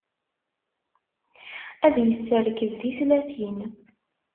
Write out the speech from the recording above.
Ad yesserkeb tislatin.